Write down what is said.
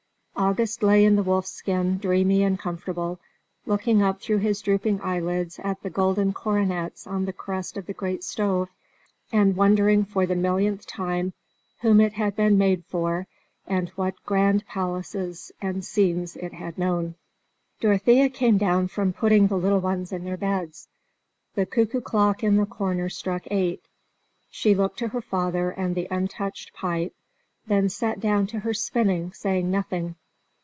August lay on the wolfskin dreamy and comfortable, looking up through his drooping eyelids at the golden coronets on the crest of the great stove, and wondering for the millionth time whom it had been made for, and what grand places and scenes it had known. Dorothea came down from putting the little ones in their beds; the cuckoo clock in the corner struck eight; she looked to her father and the untouched pipe, then sat down to her spinning, saying nothing.